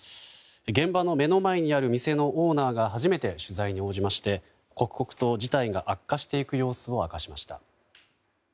現場の目の前にある店のオーナーが初めて、取材に応じまして刻々と事態が悪化していく様子を語りました。